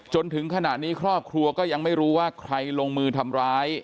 จนถึงขณะนี้ครอบครัวก็ยังไม่รู้ว่าใครลงมือทำร้าย